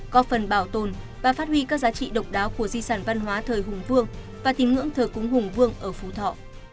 có phần bảo tồn và phát huy các giá trị độc đáo của di sản văn hóa thời hùng vương và tín ngưỡng thờ cúng hùng vương ở phú thọ